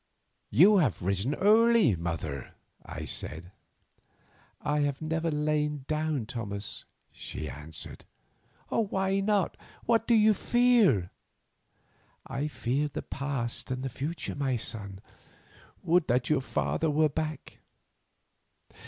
"You have risen early, mother," I said. "I have never lain down, Thomas," she answered. "Why not? What do you fear?" "I fear the past and the future, my son. Would that your father were back."